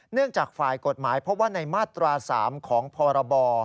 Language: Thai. เนื่องจากไฟล์กฎหมายเพราะว่าในมาตราสามของพรบ